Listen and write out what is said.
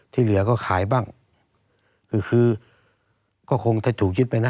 ที่เหลือก็ขายบ้างก็คงถ้าถูกยิดไป